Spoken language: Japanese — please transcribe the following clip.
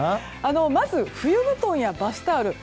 まず冬布団やバスタオル